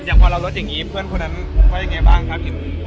อย่างพอเราลดอย่างงี้เพื่อนคนนั้นก็ยังไงบ้างครับ